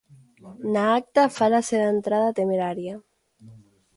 Na acta fálase de entrada temeraria.